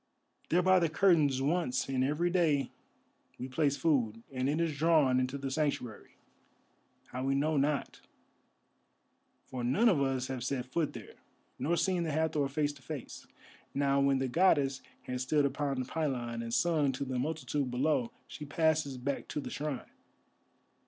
There by the curtains, once in every day, we place food, and it is drawn into the sanctuary, how we know not, for none of us have set foot there, nor seen the Hathor face to face. Now, when the Goddess has stood upon the pylon and sung to the multitude below, she passes back to the shrine.